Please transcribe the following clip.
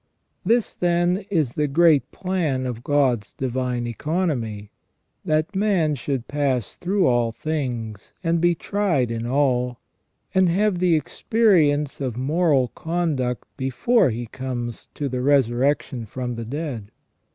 This, then, is the great plan of God's divine economy, that man should pass through all things, and be tried in all, and have the experience of moral conduct before he comes to the resurrec tion from the dead.